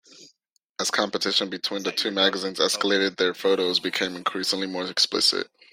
As competition between the two magazines escalated, their photos became increasingly more explicit.